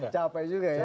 capek juga ya